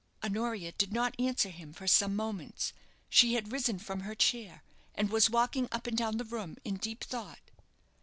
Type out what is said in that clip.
Honoria did not answer him for some moments. She had risen from her chair, and was walking up and down the room in deep thought.